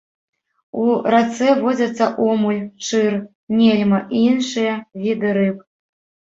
У рацэ водзяцца омуль, чыр, нельма і іншыя віды рыб.